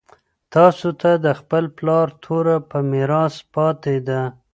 تاسو ته د خپل پلار توره په میراث پاتې ده.